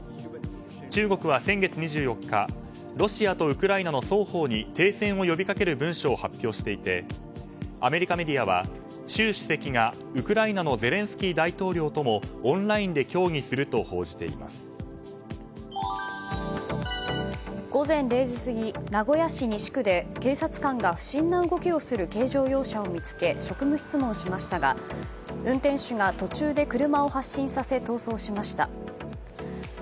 中国は先月２４日ロシアとウクライナの双方に停戦を呼び掛ける文書を発表していてアメリカメディアは、習主席がウクライナのゼレンスキー大統領ともオンラインで協議すると午前０時過ぎ名古屋市西区で警察官が不審な動きをする軽乗用車を見つけ職務質問しましたが運転手が途中で車を発進させ逃走しました。